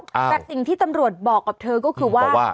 แต่สิ่งที่ตำรวจบอกกับเธอก็คือว่า